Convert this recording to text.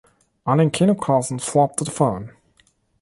An den Kinokassen floppte der Film.